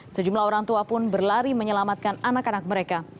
sejumlah orang tua pun berlari menyelamatkan anak anak mereka